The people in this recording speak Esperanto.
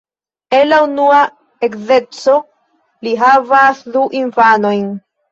El la unua edzeco li havas du infanojn.